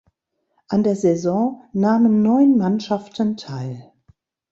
An der Saison nahmen neun Mannschaften teil.